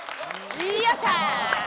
よっしゃ！